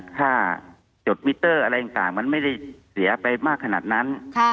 จดมิเตอร์อะไรต่างมันไม่ได้เสียไปมากขนาดนั้น